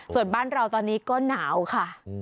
ส่วนบ้านเราตอนนี้ก็หนาวค่ะ